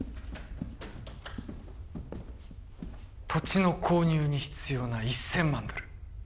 土地の購入に必要な１０００万ドル